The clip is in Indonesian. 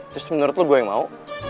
terus menurut lo gue yang mau